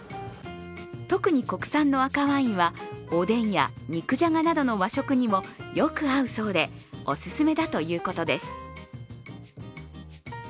特に国産の赤ワインはおでんや肉じゃがなどの和食にもよく合うそうでお勧めだということです。